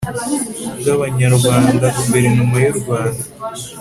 bw abanyarwanda guverinoma y u rwanda